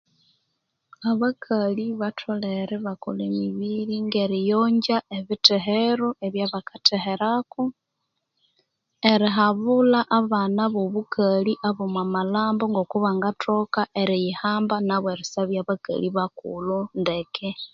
Abakali batholere ibakolha emibiri ngeriyongya ebithero ebya bakatheherako, erihabulha abana obobukali abomwa malhambo ngoku bangathoka eriyihamba nabo erisabya bakali bakulhu ndeke.